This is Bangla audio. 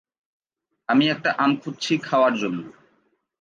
আমি একটা আম খুঁজছি খাওয়ার জন্য।